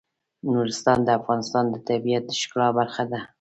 نورستان د افغانستان د طبیعت د ښکلا برخه ده.